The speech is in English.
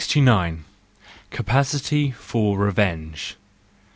69. Capacity for Revenge